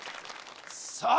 さあ